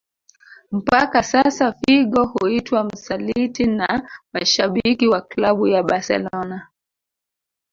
Mpaka sasa Figo huitwa msaliti na mashabiki waklabu ya Barcelona